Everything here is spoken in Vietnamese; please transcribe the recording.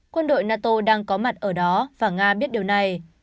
quân đội nato đang có mặt ở đó và nga biết điều này